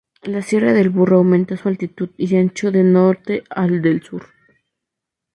La Sierra del Burro aumenta su altitud y ancho de norte a del sur.